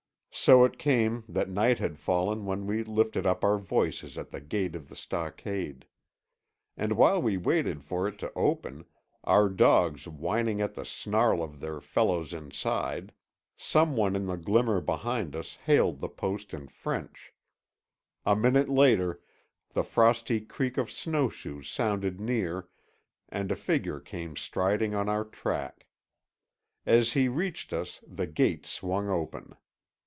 So it came that night had fallen when we lifted up our voices at the gate of the stockade. And while we waited for it to open, our dogs whining at the snarl of their fellows inside, some one in the glimmer behind us hailed the post in French. A minute later the frosty creak of snowshoes sounded near and a figure came striding on our track. As he reached us the gate swung open.